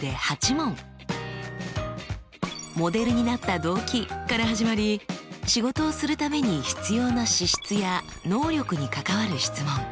モデルになった動機から始まり仕事をするために必要な資質や能力に関わる質問。